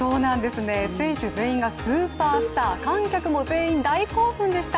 選手全員がスーパースター観客も全員大興奮でした！